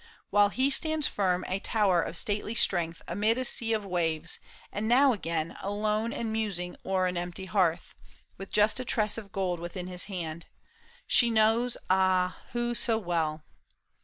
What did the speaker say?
While he stands firm, a tower of stately strength. Amid a sea of waves ; and now again Alone and musing o'er an empty hearth. With just a tress of gold within his hand —. She knows, ah, who so well